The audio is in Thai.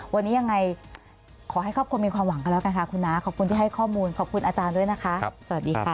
วันนี้ยังไงขอให้ครอบครัวมีความหวังกันแล้วกันค่ะคุณน้าขอบคุณที่ให้ข้อมูลขอบคุณอาจารย์ด้วยนะคะสวัสดีค่ะ